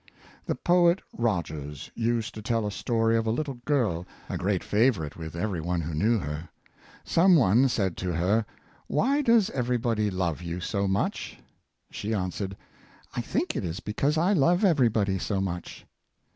The poet Rogers used to tell a story of a little girl, a great favorite with every one who knew her. Some one said to her, '' Why does every body love you so much.^" She answered, "I think it is because I love every body so much."